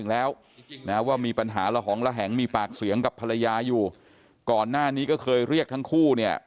และแห่งมีปากเสียงกับภรรยาอยู่ก่อนหน้านี้ก็เคยเรียกทั้งคู่เนี่ย